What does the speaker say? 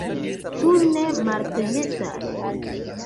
Ĉu ne malpermesas?